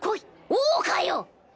王かよ！